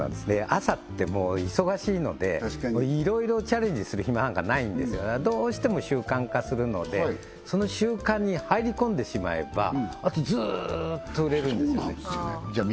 朝ってもう忙しいのでいろいろチャレンジする暇なんかないんですよどうしても習慣化するのでその習慣に入り込んでしまえばあとずーっと売れるんですよねじゃあ